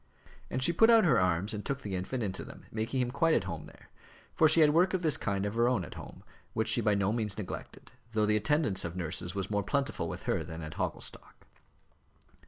And she put out her arms and took the infant into them, making him quite at home there; for she had work of this kind of her own, at home, which she by no means neglected, though the attendance of nurses was more plentiful with her than at Hogglestock.